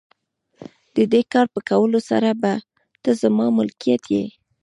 د دې کار په کولو سره به ته زما ملکیت یې.